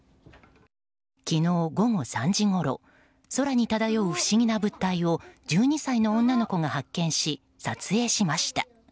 昨日午後３時ごろ空に漂う不思議な物体を１２歳の女の子が発見し撮影しました。